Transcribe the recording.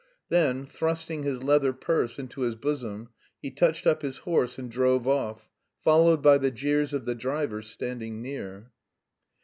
Then, thrusting his leather purse into his bosom, he touched up his horse and drove off, followed by the jeers of the drivers standing near.